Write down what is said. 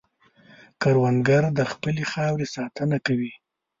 کروندګر د خپلې خاورې ساتنه کوي